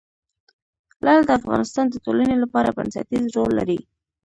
لعل د افغانستان د ټولنې لپاره بنسټيز رول لري.